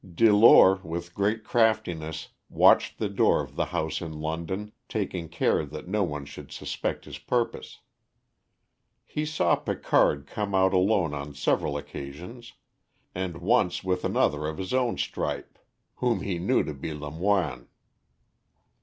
Delore with great craftiness watched the door of the house in London, taking care that no one should suspect his purpose. He saw Picard come out alone on several occasions, and once with another of his own stripe, whom he took to be Lamoine.